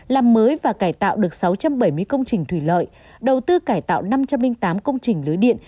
làm mới và cải tạo được sáu trăm bảy mươi công trình thủy lợi đầu tư cải tạo năm trăm linh tám công trình lưới điện